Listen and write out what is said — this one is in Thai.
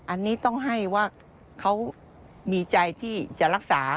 อันนี้ต้องให้ว่าเขามีใจที่จะรักษา